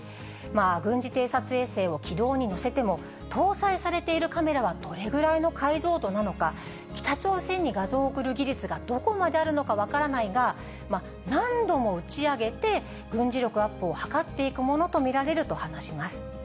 軍事偵察衛星を軌道に乗せても、搭載されているカメラはどれぐらいの解像度なのか、北朝鮮に画像を送る技術がどこまであるのか分からないが、何度も打ち上げて、軍事力アップを図っていくものと見られると話します。